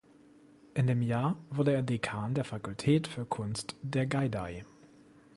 In dem Jahr wurde er Dekan der Fakultät für Kunst der Geidai.